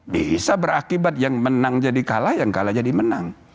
bisa berakibat yang menang jadi kalah yang kalah jadi menang